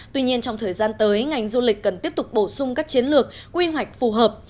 tuy nhiên trong thời gian tới ngành du lịch cần tiếp tục bổ sung các chiến lược quy hoạch phù hợp